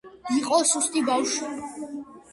იყო სუსტი ბავშვი.